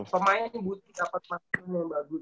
pemain butuh dapat maksudnya yang bagus